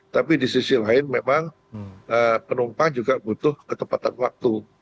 tapi di sisi lain memang penumpang juga butuh ketepatan waktu